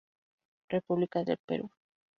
República del Perú.